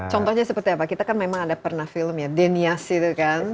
contohnya seperti apa kita kan memang ada pernah film ya denias itu kan